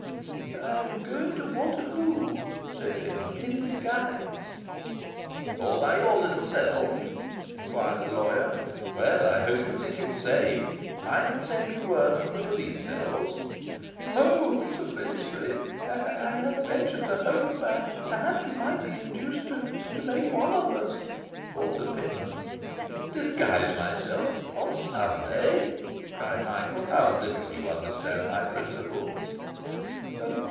'I am going to Waterloo,' said Pitman, 'in disguise.' 'All by your little self?' enquired the lawyer. 'Well, I hope you think it safe. Mind and send me word from the police cells.' 'O, Mr Finsbury, I had ventured to hope perhaps you might be induced to to make one of us,' faltered Pitman. 'Disguise myself on Sunday?' cried Michael. 'How little you understand my principles!